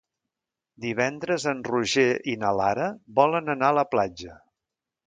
Divendres en Roger i na Lara volen anar a la platja.